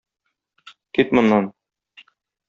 Кит моннан!